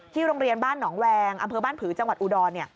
โรงเรียนบ้านหนองแวงอำเภอบ้านผือจังหวัดอุดร